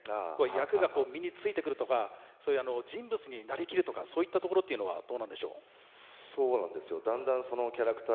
役がこう身についてくるとかそういう人物に成りきるとかそういったところっていうのはどうなんでしょう？